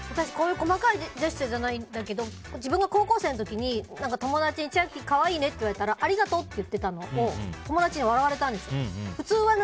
こういう細かいジェスチャーじゃないんだけど自分が高校生の時に友達に千秋可愛いねって言われたらありがとうって言ってたのを友達に笑われたんですよ。